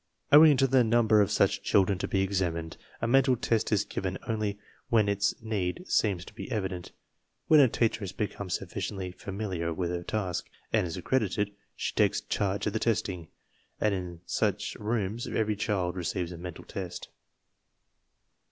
Owing to the num ber of such children to be examined, a mental test is given only when its need seems to be evident. (When a teacher has become sufficiently familiar with her task, and is accredited, she takes charge of the testing, and in such rooms every child receives a mental test.)